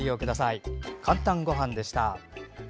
「かんたんごはん」でした。